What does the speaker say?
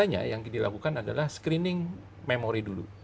biasanya yang dilakukan adalah screening memori dulu